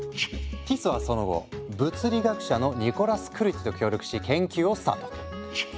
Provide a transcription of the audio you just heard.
ティスはその後物理学者のニコラス・クルティと協力し研究をスタート。